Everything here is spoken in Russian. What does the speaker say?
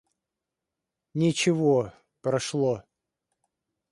Ничего, прошло.